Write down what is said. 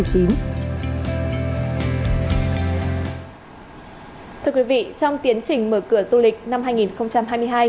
thưa quý vị trong tiến trình mở cửa du lịch năm hai nghìn hai mươi hai